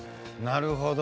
なるほど。